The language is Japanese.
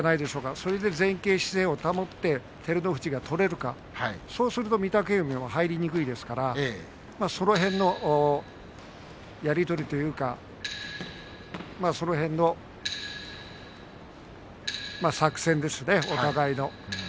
それで前傾姿勢を保って照ノ富士が取れるかそうすると御嶽海は入りにくいですからその辺のやり取りというかその辺の作戦ですね、お互いの。